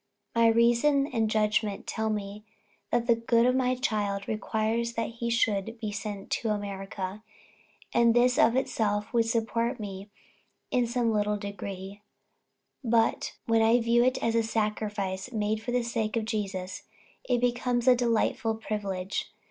My reason and judgment tell me that the good of my child requires that he should be sent to America; and this of itself would support me in some little degree; but when I view it as a sacrifice, made for the sake of Jesus, it becomes a delightful privilege....